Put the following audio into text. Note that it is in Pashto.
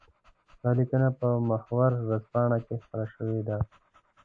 دا ليکنه په محور ورځپاڼه کې خپره شوې ده.